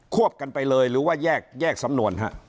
วบกันไปเลยหรือว่าแยกสำนวน